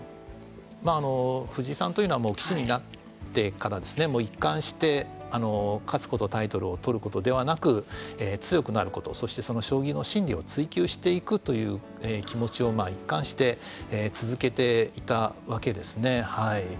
藤井さんというのは棋士になってからですね一貫して勝つことタイトルを取ることではなく強くなることそして将棋の真理を追求していくという気持ちを一貫して続けていたわけですね。